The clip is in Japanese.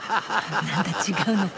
なんだ違うのか。